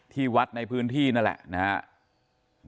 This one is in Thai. ที่วัดในพื้นที่นั่นแหละนะครับ